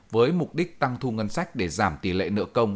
với mục đích tăng thu ngân sách để giảm tỷ lệ nợ công